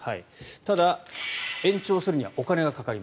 ただ延長するにはお金がかかる。